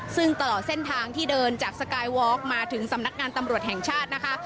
ซึ่งตลอดเส้นทางที่เดินจากสกายวอล์กมาถึงสำนักงานตำรวจแห่งชาตินะคะ